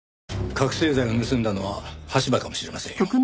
覚醒剤を盗んだのは羽柴かもしれませんよ。